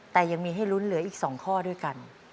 แต่ยังมีให้ลุ้นเหลืออีก๒ข้อด้วยกัน